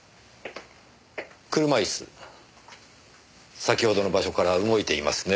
車イス先ほどの場所から動いていますね。